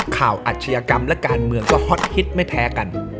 อาชญากรรมและการเมืองก็ฮอตฮิตไม่แพ้กัน